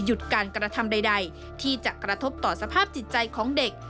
การกระทำใดที่จะกระทบต่อสภาพจิตใจของเด็ก